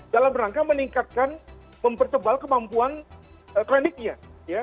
dalam rangka meningkatkan mempertebal kemampuan kliniknya